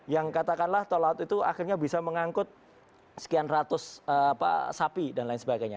yang katakanlah tol laut itu akhirnya bisa mengangkut sekian ratus sapi dan lain sebagainya